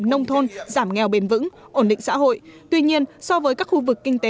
nông thôn giảm nghèo bền vững ổn định xã hội